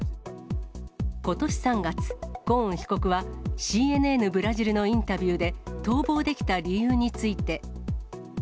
ことし３月、ゴーン被告はＣＮＮブラジルのインタビューで、逃亡できた理由について。